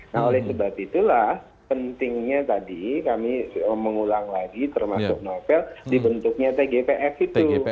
nah oleh sebab itulah pentingnya tadi kami mengulang lagi termasuk novel dibentuknya tgpf itu